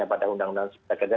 pada undang undang cipta kerja